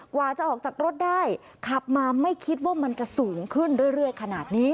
กว่าจะออกจากรถได้ขับมาไม่คิดว่ามันจะสูงขึ้นเรื่อยขนาดนี้